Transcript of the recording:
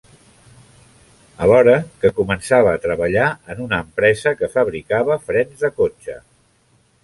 Alhora que començava a treballar en una empresa que fabricava frens de cotxe.